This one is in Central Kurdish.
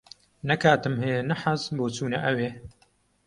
نە کاتم ھەیە نە حەز، بۆ چوونە ئەوێ.